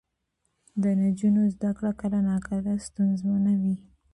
د نجونو زده کړه کله ناکله ستونزمنه وي.